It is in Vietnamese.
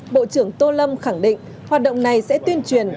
bộ trưởng tô lâm khẳng định hoạt động này sẽ tuyên truyền